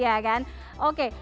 iya kan oke